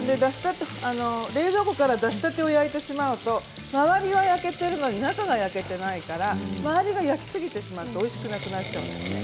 冷蔵庫から出したてを焼いてしまうと周りは焼けているのに中が焼けていないから周りが焼けすぎてしまっておいしくなくなっちゃうのね。